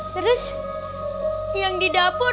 terus yang di dapur